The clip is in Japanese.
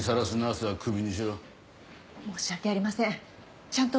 申し訳ありません。